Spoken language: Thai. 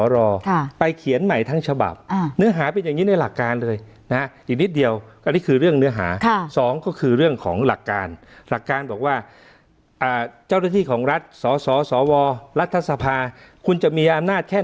รัฐธรรมนูลกำหนดว่า